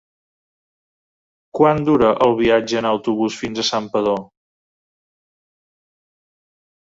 Quant dura el viatge en autobús fins a Santpedor?